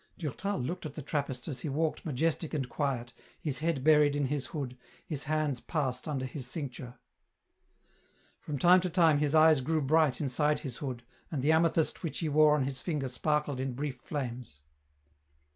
Durtal looked at the Trappist as he walked majestic and quiet, his head buried in his hood, his hands passed under his cincture. From time to time his eyes grew bright inside his hood, and the amethyst which he wore on his finger sparkled in brief flames.